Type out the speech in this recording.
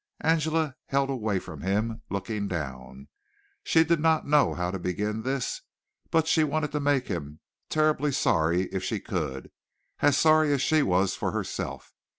Angela held away from him, looking down. She did not know how to begin this but she wanted to make him terribly sorry if she could, as sorry as she was for herself.